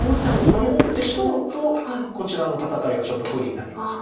守ってしまうとこちらの戦いがちょっと不利になります。